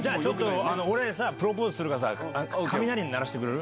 俺さ、プロポーズするからさ、雷鳴らしてくれる？